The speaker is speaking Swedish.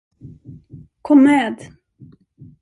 Kom med.